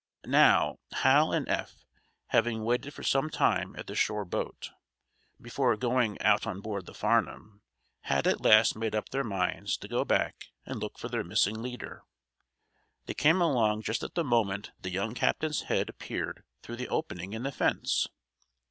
Now, Hal and Eph, having waited for some time at the shore boat, before going out on board the "Farnum," had at last made up their minds to go back and look for their missing leader. They came along just at the moment that the young captain's head appeared through the opening in the fence.